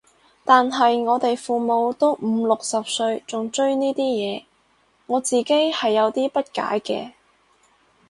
但係我哋父母都五六十歲仲追呢啲嘢，我自己係有啲不解嘅